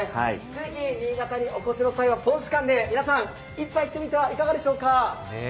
ぜひ新潟にお越しの際は、皆さん、一杯いってみてはいかがでしょうか。